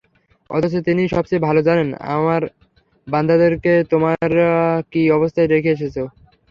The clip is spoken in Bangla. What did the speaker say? অথচ তিনিই সবচেয়ে ভালো জানেন আমার বান্দাদেরকে তোমরা কী অবস্থায় রেখে এসেছ?